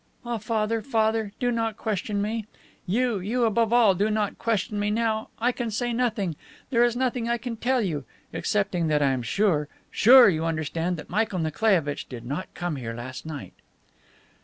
"Ah, Father, Father, do not question me! You, you above all, do not question me now. I can say nothing! There is nothing I can tell you. Excepting that I am sure sure, you understand that Michael Nikolaievitch did not come here last night."